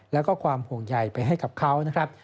แล้วก็ความห่วงใยไปให้กับเขานะครับ